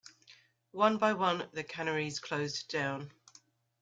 One by one the canneries closed down.